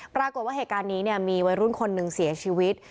ปรากฏว่าเหตุการณ์นี้เนี่ยมีวัยรุ่นคนหนึ่งเสียชีวิต